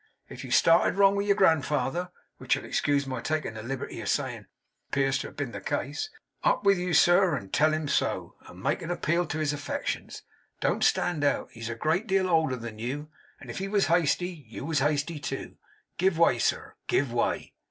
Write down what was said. If you started wrong with your grandfather (which, you'll excuse my taking the liberty of saying, appears to have been the case), up with you, sir, and tell him so, and make an appeal to his affections. Don't stand out. He's a great deal older than you, and if he was hasty, you was hasty too. Give way, sir, give way.